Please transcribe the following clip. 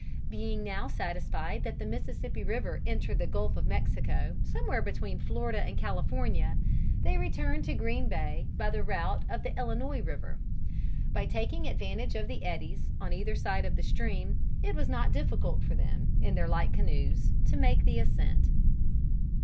Being now satisfied that the Mississippi river entered the Gulf of Mexico, somewhere between Florida and California, they returned to Green Bay by the route of the Illinois river. By taking advantage of the eddies, on either side of the stream, it was not difficult for them, in their light canoes, to make the ascent.